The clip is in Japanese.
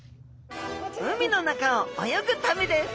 海の中を泳ぐためです！